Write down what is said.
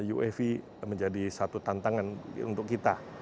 uav menjadi satu tantangan untuk kita